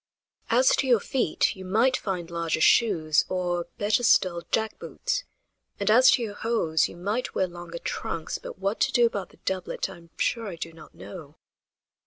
"As to your feet, you might find larger shoes, or, better still, jack boots; and, as to your hose, you might wear longer trunks, but what to do about the doublet I am sure I do not know."